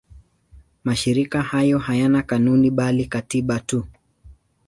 Mashirika hayo hayana kanuni bali katiba tu.